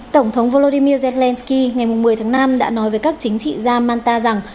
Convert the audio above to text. tổng thống volodymyr zelensky ngày một mươi tháng năm đã nói với các chính trị gia manta rằng